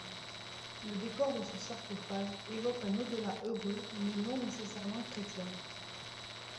Le décor de ce sarcophage évoque un au-delà heureux, mais non nécessairement chrétien.